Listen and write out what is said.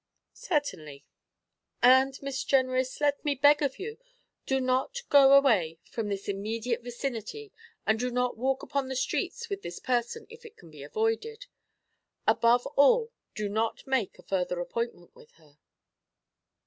'Certainly.' 'And, Miss Jenrys, let me beg of you, do not go away from this immediate vicinity, and do not walk upon the streets with this person if it can be avoided. Above all, do not make a further appointment with her.'